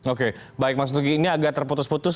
oke baik mas nugi ini agak terputus putus